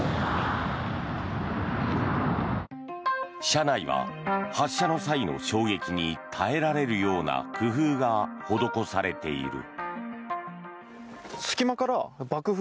車内は発射の際の衝撃に耐えられるような工夫が施されている。